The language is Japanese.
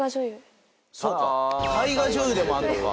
そうか大河女優でもあんのか！